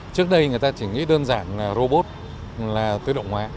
trước đây người ta chỉ nghĩ đơn giản là robot là tự động hóa